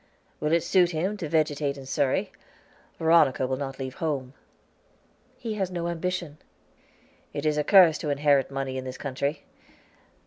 "Will it suit him to vegetate in Surrey? Veronica will not leave home." "He has no ambition." "It is a curse to inherit money in this country. Mr.